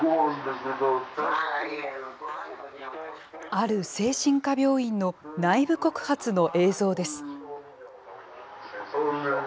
ある精神科病院の内部告発の映像です。